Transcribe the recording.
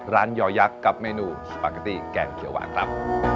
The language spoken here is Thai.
ยอยักษ์กับเมนูสปาเกตตี้แกงเขียวหวานครับ